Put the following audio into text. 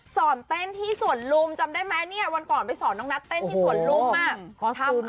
สอนเต้นที่สวนลุมจำได้ไหมเนี่ยวันก่อนไปสอนน้องนัทเต้นที่สวนลุมอ่ะ